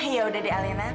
yaudah deh alena